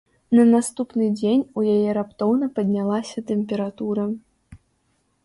На наступны дзень у яе раптоўна паднялася тэмпература.